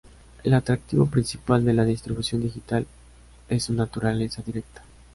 El atractivo principal de la distribución digital es su naturaleza directa.